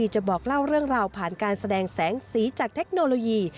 จะบอกเล่าเรื่องราวผ่านการแสดงแสงสีจากเทคโนโลยี